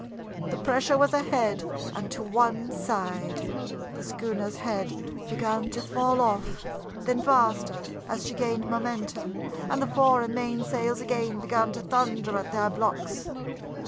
The pressure was ahead and to one side; the schooner's head began to fall off, then faster as she gained momentum, and the fore and main sails again began to thunder at their blocks.